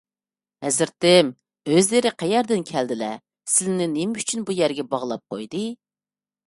ھەزرىتىم، ئۆزلىرى قەيەردىن كەلدىلە؟ سىلىنى نېمە ئۈچۈن بۇ يەرگە باغلاپ قويدى؟